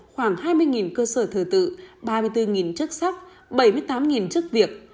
khoảng hai mươi cơ sở thờ tự ba mươi bốn chức sắc bảy mươi tám chức việc